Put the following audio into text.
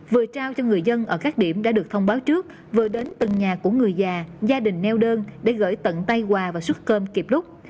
vừa trao cho người dân ở các điểm đã được thông báo trước vừa đến từng nhà của người già gia đình neo đơn để gửi tận tay quà và xuất cơm kịp lúc